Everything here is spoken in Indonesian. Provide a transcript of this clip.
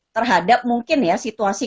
terhadap mungkin ya situasi